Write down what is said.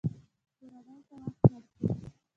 کورنۍ ته وخت ورکړه